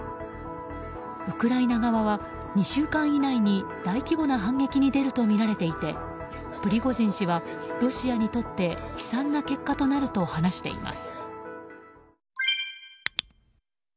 ウクライナ側は２週間以内に大規模な反撃に出るとみられていてプリゴジン氏はロシアにとって悲惨な結果になると話しています。